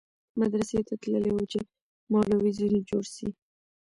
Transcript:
مدرسې ته تللى و چې مولوى ځنې جوړ سي.